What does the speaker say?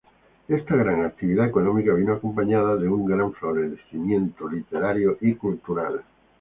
Esta gran actividad económica vino acompañada de un gran florecimiento literario y cultural.